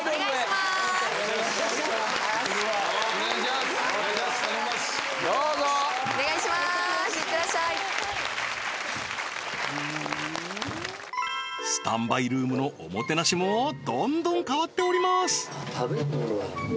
すいってらっしゃいスタンバイルームのおもてなしもどんどん変わっております